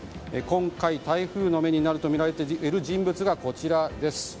今回台風の目になるとみられる人物がこちらです。